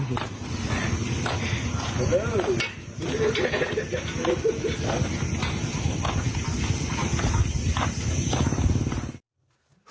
ไม่รู้ไม่รู้